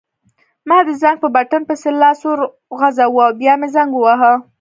ما د زنګ په بټن پسې لاس وروغځاوه او بیا مې زنګ وواهه.